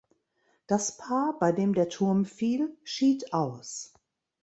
Das Paar, bei dem der Turm fiel, schied aus.